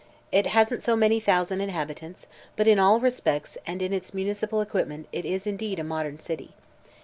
It hasn't so many thousand inhabitants, but in all its aspects and its municipal equipment it is indeed a modern city.